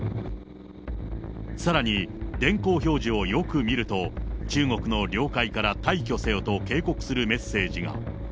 さらに電光表示をよく見ると、中国の領海から退去せよと警告するメッセージが。